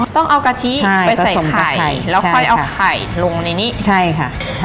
ต้องเอากะทิไปใส่ไข่แล้วค่อยเอาไข่ลงในนี้ใช่ค่ะ